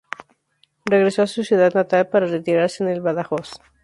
Regresó a su ciudad natal para retirarse en el Badajoz.